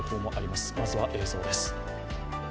まずは映像です。